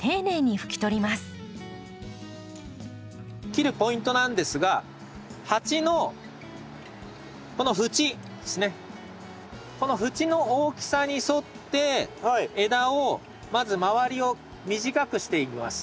切るポイントなんですが鉢のこの縁ですねこの縁の大きさに沿って枝をまず周りを短くしていきます。